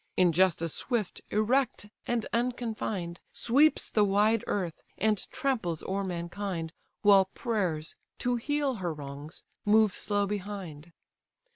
Injustice swift, erect, and unconfined, Sweeps the wide earth, and tramples o'er mankind, While Prayers, to heal her wrongs, move slow behind.